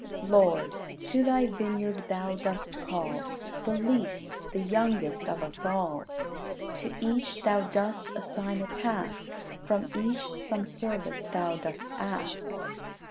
Lord, to Thy vineyard Thou dost call The least, the youngest of us all: To each Thou dost assign a task, From each some service Thou dost ask.